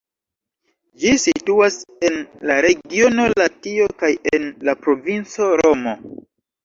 Ĝi situas en la regiono Latio kaj en la provinco Romo.